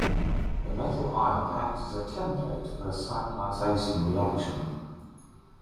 The metal ion acts as a 'template' for the cyclization reaction.